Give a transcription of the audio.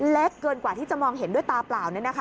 เล็กเกินกว่าที่จะมองเห็นด้วยตาเปล่า